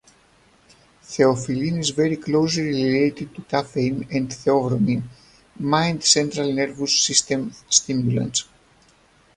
Theophylline is very closely related to caffeine and theobromine, mild central nervous system stimulants.